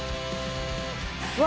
うわ！